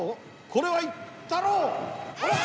これはいったろう！あっ。